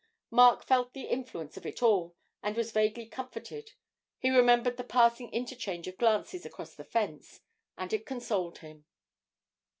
Mark felt the influence of it all, and was vaguely comforted he remembered the passing interchange of glances across the fence, and it consoled him.